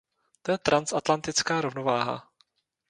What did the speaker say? To je transatlantická rovnováha.